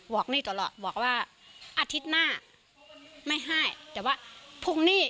หนี้ตลอดบอกว่าอาทิตย์หน้าไม่ให้แต่ว่าพรุ่งนี้